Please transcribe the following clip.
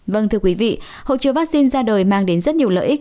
vâng thưa quý vị hộ chiếu vaccine ra đời mang đến rất nhiều lợi ích